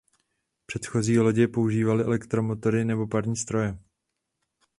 Předchozí lodě používaly elektromotory nebo parní stroje.